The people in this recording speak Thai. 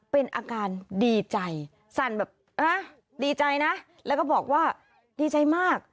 เป็นอาการดีใจสั่นแบบดีใจนะแล้วก็บอกว่าดีใจมาก